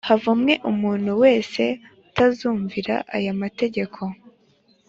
havumwe umuntu wese utazumvira aya mategeko